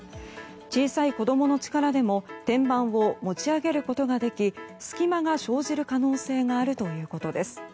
小さい子供の力でも天板を持ち上げることができ隙間が生じる可能性があるということです。